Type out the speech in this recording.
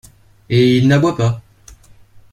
Et il n’aboie pas?